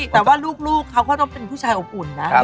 แต่ว่าลูกเขาก็ต้องเป็นผู้ชายอบอุ่นนะ